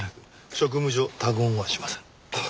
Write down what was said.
職務上他言はしません。